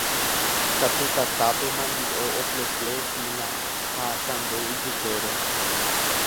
katu tatápe mandi'o opleplehína ha kamby ijykére